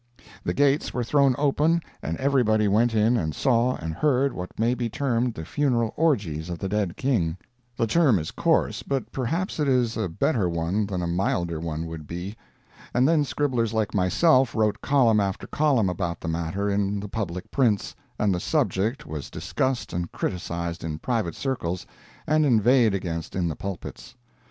The gates were thrown open and everybody went in and saw and heard what may be termed the funeral orgies of the dead King. The term is coarse, but perhaps it is a better one than a milder one would be. And then scribblers like myself wrote column after column about the matter in the public prints, and the subject was discussed and criticised in private circles and inveighed against in the pulpits.